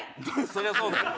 そりゃそうだよ。